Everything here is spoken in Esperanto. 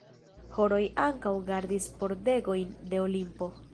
Horoj ankaŭ gardis pordegojn de Olimpo.